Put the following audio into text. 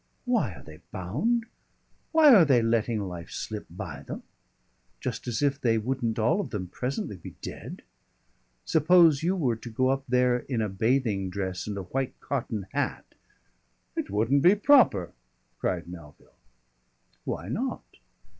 Why are they bound? Why are they letting life slip by them? Just as if they wouldn't all of them presently be dead! Suppose you were to go up there in a bathing dress and a white cotton hat " "It wouldn't be proper!" cried Melville. "Why not?"